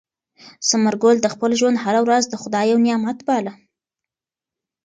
ثمر ګل د خپل ژوند هره ورځ د خدای یو نعمت باله.